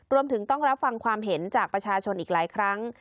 รวมถึงต้องรับฟังความเห็นจากประชาชนอีกหลายครั้ง